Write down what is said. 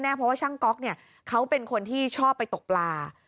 เพราะว่าช่างก๊อกเขาเป็นคนที่ชอบไปตกปลา